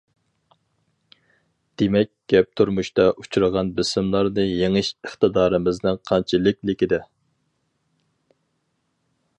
دېمەك، گەپ تۇرمۇشتا ئۇچرىغان بېسىملارنى يېڭىش ئىقتىدارىمىزنىڭ قانچىلىكلىكىدە.